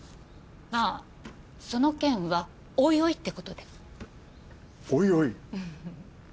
まぁその件はおいおいってことで。